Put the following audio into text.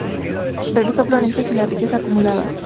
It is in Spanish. Regresó a Florencia sin la riqueza acumulada.